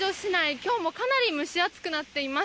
今日もかなり蒸し暑くなっています。